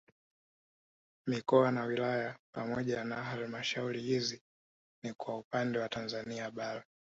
Mikoa na wilaya pamoja na halmashauri hizi ni kwa upande wa Tanzania bara